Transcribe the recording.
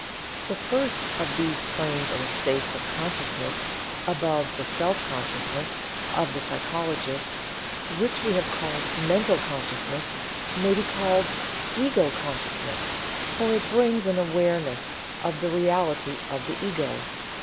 The first of these planes or states of Consciousness, above the "Self Consciousness" of the psychologists (which we have called "Mental Consciousness") may be called "Ego consciousness," for it brings an "awareness" of the Reality of the Ego.